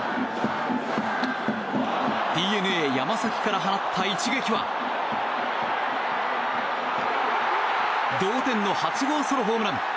ＤｅＮＡ、山崎から放った一撃は同点の８号ソロホームラン！